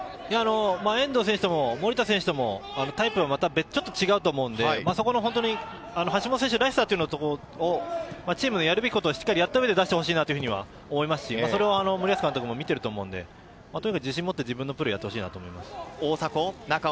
遠藤選手、守田選手ともタイプが違うと思うので、橋本選手らしさというのを、チームのやるべきことをしっかりやった上で出してほしいなと思いますし、それを森保監督も見ていると思うので、自信をもって自分のプレーをやってほしいと思います。